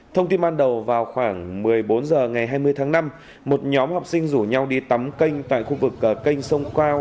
thông tin ban đầu vào khoảng một mươi bốn h ngày hai mươi tháng năm một nhóm học sinh rủ nhau đi tắm kênh tại khu vực kênh sông quao